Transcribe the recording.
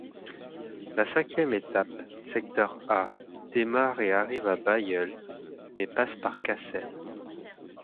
La cinquième étape secteur a démarre et arrive à Bailleul, mais passe par Cassel.